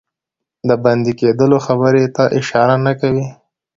د بندي کېدلو خبري ته اشاره نه کوي.